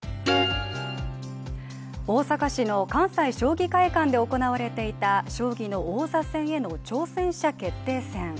大阪市の関西将棋会館で行われていた将棋の王座戦への挑戦者決定戦。